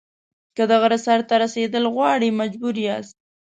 که د غره سر ته رسېدل غواړئ مجبور یاست.